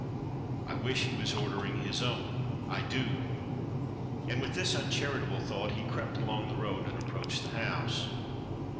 " I wish he was ordering his own, I do !" And with this uncharitable thought he crept along the road and ap proached the house.